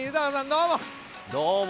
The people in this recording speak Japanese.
どうも。